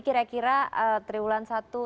kira kira triulan satu